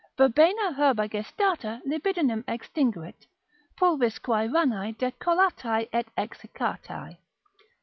Verbena herba gestata libidinem extinguit, pulvisquae ranae decollatae et exiccatae.